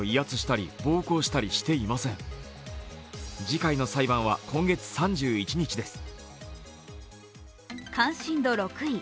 次回の裁判は今月３１日です。